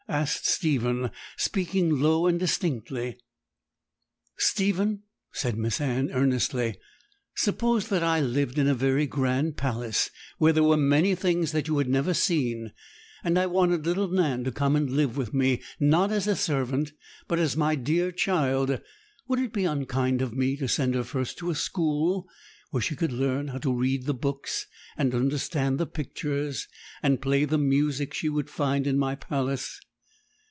asked Stephen, speaking low and indistinctly. 'Stephen,' said Miss Anne earnestly, 'suppose that I lived in a very grand palace, where there were many things that you had never seen, and I wanted little Nan to come and live with me, not as a servant, but as my dear child; would it be unkind of me to send her first to a school, where she could learn how to read the books, and understand the pictures, and play the music she would find in my palace?